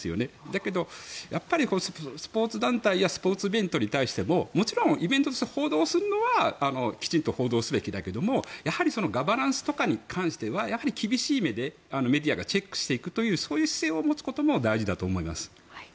だけどスポーツ団体やスポーツイベントに対してももちろん、イベントとして報道するのはきちんと報道すべきだけどやはり、ガバナンスとかに関しては厳しい目でメディアがチェックしていくという姿勢を持つことも大事だと思います。